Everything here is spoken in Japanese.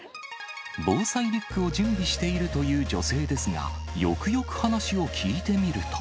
防災リュックを準備しているという女性ですが、よくよく話を聞いてみると。